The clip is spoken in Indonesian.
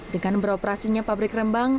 dengan beroperasinya pabrik rembang